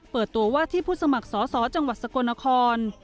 เปิดตัวว่าที่ผู้สมัครสอสอจังหวัดสกลนคร